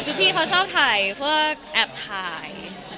คือพี่เขาชอบถ่ายเพื่อแอบถ่าย